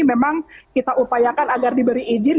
memang kita upayakan agar diberi izin